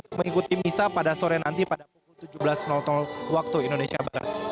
untuk mengikuti misa pada sore nanti pada pukul tujuh belas waktu indonesia barat